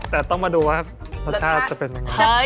แต่ต้องมาดูว่ารสชาติจะเป็นยังไง